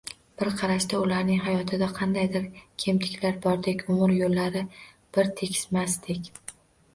Bir qarashda, ularning hayotida qandaydir kemtiklar bordek, umr yo`llari bir tekismasdek